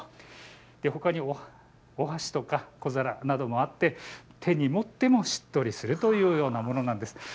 ほかにお箸とか小皿などもあって手に持ってもしっとりするというようなものなんです。